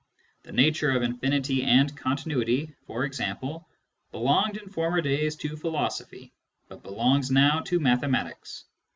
The nature of infinity and continuity, for example, belonged in former days to philosophy, but belongs now to mathematics.